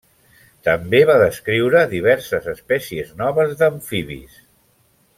També va descriure diverses espècies noves d'amfibis.